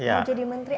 mau jadi menteri